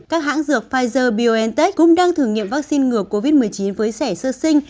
các hãng dược pfizer biontech cũng đang thử nghiệm vaccine ngừa covid một mươi chín với trẻ sơ sinh